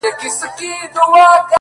ها د ښكلا شاپېرۍ هغه د سكون سهزادگۍ _